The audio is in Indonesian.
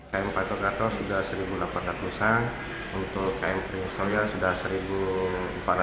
km pantokrato sudah satu delapan ratus an untuk km prince soya sudah satu empat ratus an